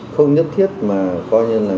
không nhất thiết mà coi như là